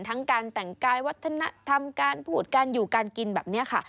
ทั้งการแต่งกายวัฒนธรรมการพูดการอยู่การกินแบบนี้ค่ะ